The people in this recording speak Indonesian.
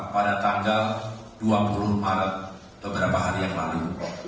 pada tanggal dua puluh maret beberapa hari yang lalu